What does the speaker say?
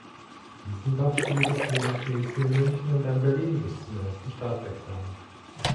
Biesenbach studierte zunächst Medizin in München und dann Berlin bis zum ersten Staatsexamen.